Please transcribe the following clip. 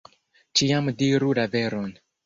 Ĉiam diru la veron!